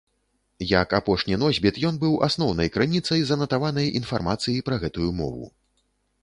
Як апошні носьбіт, ён быў асноўнай крыніцай занатаванай інфармацыі пра гэтую мову.